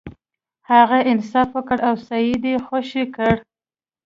هغه انصاف وکړ او سید یې خوشې کړ.